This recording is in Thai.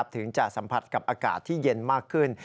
ถึงจะสัมผัสกับอากาศที่เย็นมากขึ้น